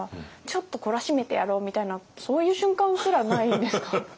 ちょっと懲らしめてやろうみたいなそういう瞬間すらないんですか？